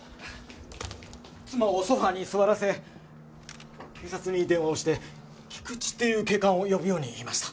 妻をソファに座らせ警察に電話をして菊池っていう警官を呼ぶように言いました。